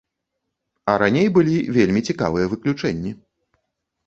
А раней былі вельмі цікавыя выключэнні.